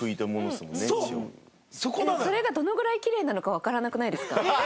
それがどのぐらいキレイなのかわからなくないですか？